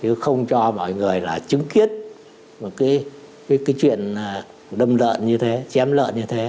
chứ không cho mọi người là chứng kiến một cái chuyện đâm lợn như thế chém lợn như thế